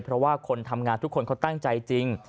เพราะว่าคนทำงานทุกคนเขาตั้งใจจริง